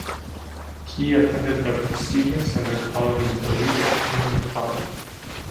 He attended the prestigious and the colony's elite Queen's College.